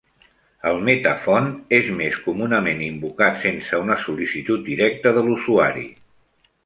El Metafont és més comunament invocat sense una sol·licitud directa de l'usuari.